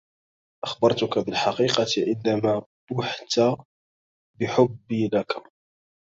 أخبرتك بالحقيقة عندما بُحت بحبي لك.